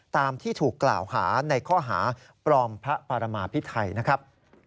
ตามที่ถูกกล่าวหาในข้อหาปลอมพระปรมาพิไทยนะครับ